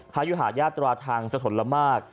ยุหายาตราทางสะทนละมาก